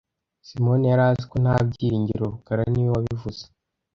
Simoni yari azi ko nta byiringiro rukara niwe wabivuze